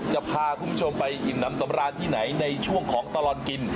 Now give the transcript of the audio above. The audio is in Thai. จะพาคุณผู้ชมไปอิ่มน้ำสำราญที่ไหนในช่วงของตลอดกิน